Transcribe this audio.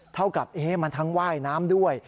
เท่ากับมันทั้งว่ายน้ำด้วย